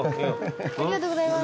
ありがとうございます。